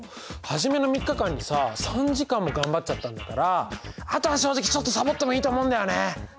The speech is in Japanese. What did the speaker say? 初めの３日間にさ３時間も頑張っちゃったんだからあとは正直ちょっとさぼってもいいと思うんだよね。